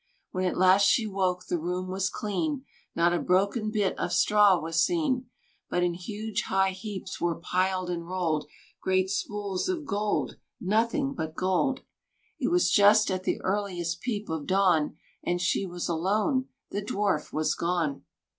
When at last she woke the room was clean, Not a broken bit of straw was seen; But in huge high heaps were piled and rolled Great spools of gold nothing but gold! It was just at the earliest peep of dawn, And she was alone the dwarf was gone.